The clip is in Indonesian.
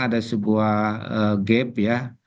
ada sebuah gap ya